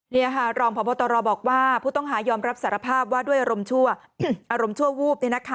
นี่ค่ะรองพบตรบอกว่าผู้ต้องหายอมรับสารภาพว่าด้วยอารมณ์ชั่ววูบ